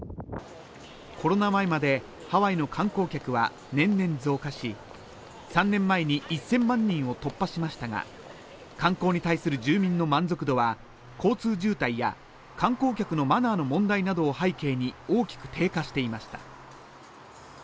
コロナ前までハワイの観光客は年々増加し３年前に１０００万人を突破しましたが観光に対する住民の満足度は交通渋滞や観光客のマナーの問題などを背景に大きく低下していました